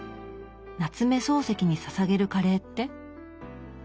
夏目漱石に捧げるカレーって？